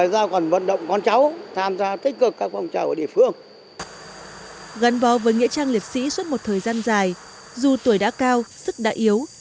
gắn vó với nghĩa trang liệt sĩ suốt một thời gian dài dù tuổi đã cao sức đã yếu